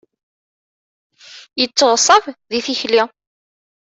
Yetteɣṣab di tikli.